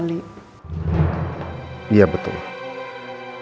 apalagi bu elsa ini sudah pernah mengalami keguguran dua kali